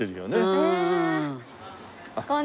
うん。